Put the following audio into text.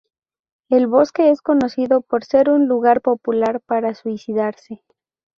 El bosque es conocido por ser un lugar popular para suicidarse.